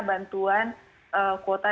bantuan kuota yang